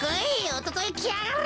おとといきやがれ！